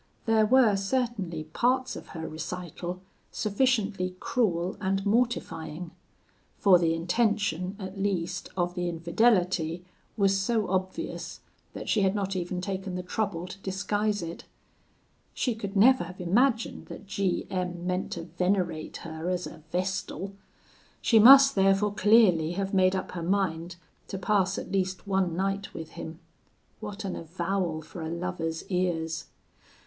There were certainly parts of her recital sufficiently cruel and mortifying; for the intention, at least, of the infidelity was so obvious, that she had not even taken the trouble to disguise it. She could never have imagined that G M meant to venerate her as a vestal. She must therefore clearly have made up her mind to pass at least one night with him. What an avowal for a lover's ears!